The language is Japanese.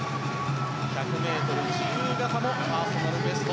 １００ｍ自由形もパーソナルベスト。